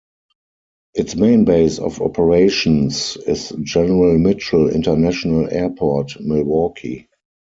Its main base of operations is General Mitchell International Airport, Milwaukee.